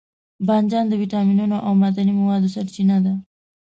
بانجان د ویټامینونو او معدني موادو سرچینه ده.